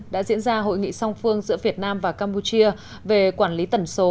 đã diễn ra hội nghị song phương giữa việt nam và campuchia về quản lý tần số